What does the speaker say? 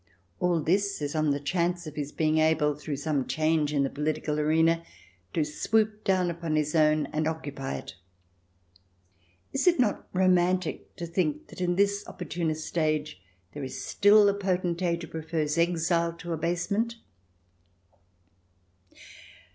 All this is on the chance of his being able, through some change in the political arena, to swoop down upon his own and occupy it. Is it not romantic to think that in this opportunist age there is still a potentate who prefers exile to abasement